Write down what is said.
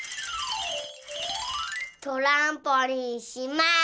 トランポリンします！